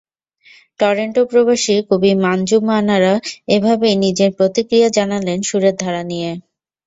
টরন্টোপ্রবাসী কবি মানজু মান আরা এভাবেই নিজের প্রতিক্রিয়া জানালেন সুরের ধারা নিয়ে।